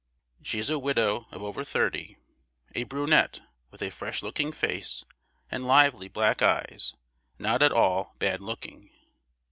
She is a widow of over thirty, a brunette with a fresh looking face and lively black eyes, not at all bad looking.